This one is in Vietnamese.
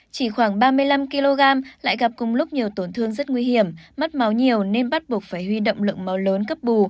chỉ khoảng ba mươi năm kg lại gặp cùng lúc nhiều tổn thương rất nguy hiểm mất máu nhiều nên bắt buộc phải huy động lượng máu lớn cấp bù